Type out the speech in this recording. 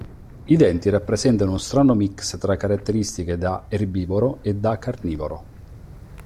I denti rappresentano uno strano mix tra caratteristiche “da erbivoro” e “da carnivoro”.